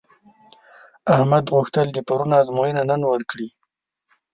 احمد غوښتل د پرون ازموینه نن ورکړي.